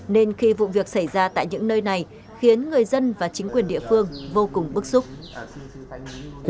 nên khi vụ việc xảy ra tại những nơi này khiến người dân và chính quyền địa phương vô cùng bức xúc